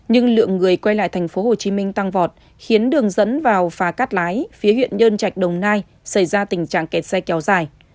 nhưng lượng người quay lại thành phố hồ chí minh tăng vọt khiến đường dẫn vào phà cát lái phía huyện nhơn trạch đồng nai xảy ra tình trạng kẹt xe kéo dài